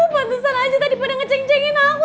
patusan aja tadi pada ngeceng cengin aku